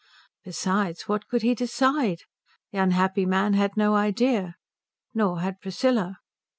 Besides, what could he decide? The unhappy man had no idea. Nor had Priscilla.